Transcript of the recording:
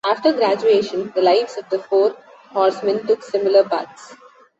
After graduation, the lives of the Four Horsemen took similar paths.